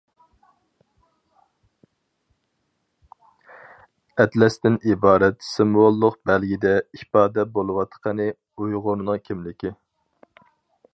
ئەتلەستىن ئىبارەت سىمۋوللۇق بەلگىدە ئىپادە بولۇۋاتقىنى ئۇيغۇرنىڭ كىملىكى.